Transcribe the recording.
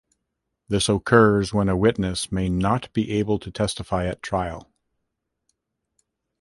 This occurs when a witness may not be able to testify at trial.